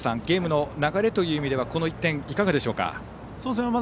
ゲームの流れという意味ではこの１点、いかがでしょうか。